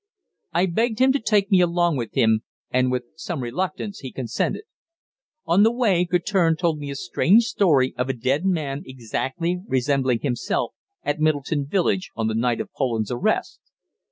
I begged him to take me along with him, and with some reluctance he consented. On the way, Guertin told me a strange story of a dead man exactly resembling himself at Middleton village on the night of Poland's arrest.